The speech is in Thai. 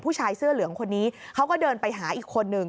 ผู้ชายเสื้อเหลืองคนนี้เขาก็เดินไปหาอีกคนนึง